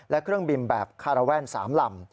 และเครื่องบินแบบคาราแว่น๓ลำ